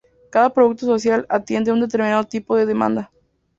Cada producto social atiende un determinado tipo de Demanda.